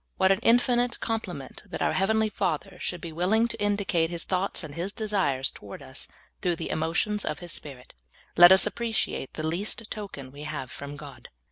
What an infi nite compliment that our heavenl}^ Father should be willing to indicate His thoughts and His desires toward us through the emotions of His Spirit ! I^et us appre ciate the least token we have from God.